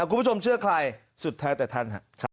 คุณผู้ชมเชื่อใครสุดแท้แต่ท่าน